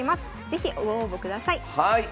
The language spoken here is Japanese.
是非ご応募ください。